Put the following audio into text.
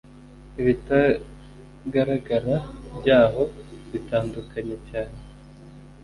Ibitagaragara byaho bitandukanye cyane